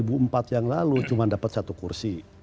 ada yang ikut pemilu dua ribu empat yang lalu cuma dapat satu kursi